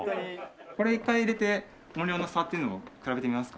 これ一回入れて音量の差っていうのを比べてみますか？